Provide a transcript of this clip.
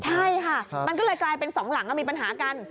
ใช่ค่ะมันก็เลยกลายเป็นสองหลังมีปัญหากัน